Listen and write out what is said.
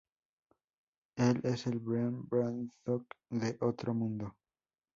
Él es el Brian Braddock de otro mundo.